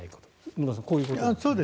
野田さん、こういうことですね。